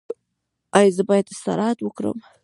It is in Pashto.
ایا زه باید استراحت وکړم؟